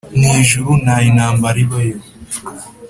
mu ijuru nta intambara ibayo